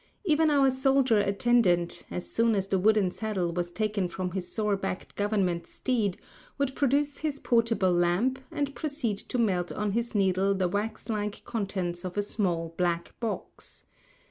Even our soldier attendant, as soon as the wooden saddle was taken from his sore backed government steed, would produce his portable lamp, and proceed to melt on his needle the wax like contents of a small, black box.